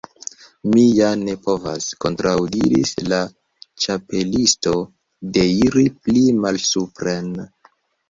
"Mi ja ne povas," kontraŭdiris la Ĉapelisto, "deiri pli malsupren.